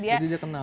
jadi dia kenal